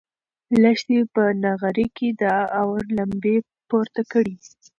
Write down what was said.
لښتې په نغري کې د اور لمبې پورته کړې.